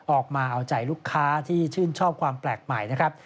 ออกมาเอาใจลูกค้าที่ชื่นชอบความแปลกใหม่นะครับ